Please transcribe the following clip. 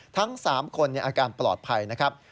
ทั้ง๓คนอาการปลอดภัยนะครับ